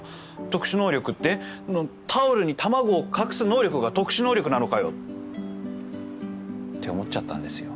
特殊能力ってタオルに卵を隠す能力が特殊能力なのかよ。って思っちゃったんですよ。